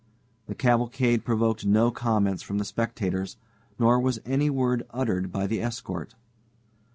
The cavalcade provoked no comments from the spectators, nor was any word uttered by the escort.